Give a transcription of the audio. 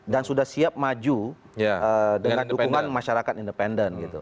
dan sudah siap maju dengan dukungan masyarakat independen gitu